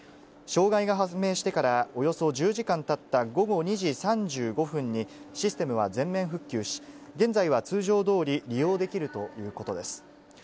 障害が判明してから、およそ１０時間たった午後２時３５分に、システムは全面復旧し、現在は通常どおり、利用できるということです。